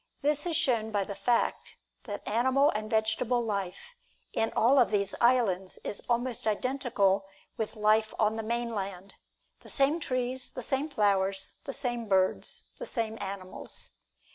This is shown by the fact that animal and vegetable life in all of these islands is almost identical with life on the mainland: the same trees, the same flowers, the same birds, the same animals.